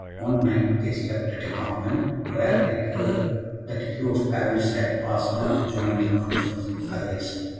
One night they slept at a Convent, where they heard that Hugh of Paris had passed on to join the conference at Falaise.